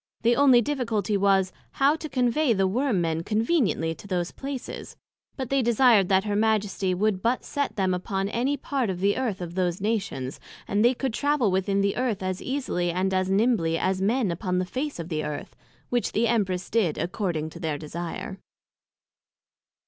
The onely difficulty was, how to convey the Worm men conveniently to those places; but they desired that her Majesty would but set them upon any part of the Earth of those Nations, and they could travel within the Earth as easily, and as nimbly as men upon the face of the Earth; which the Empress did according to their desire.